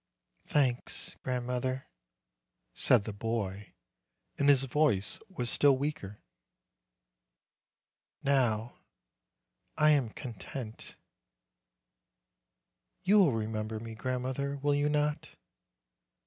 "Thanks, grandmother," said the boy, and his voice was still weaker. "Now I am content. You will remember me, grandmother will you not?